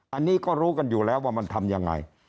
อันนี้ก็รู้กันอยู่แล้วว่ามันทำยังไง